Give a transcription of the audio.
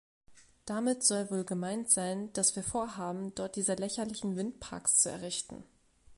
Damit soll wohl gemeint sein, dass wir vorhaben, dort diese lächerlichen Windparks zu errichten.